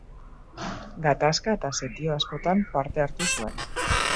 Gatazka eta setio askotan parte hartu zuen.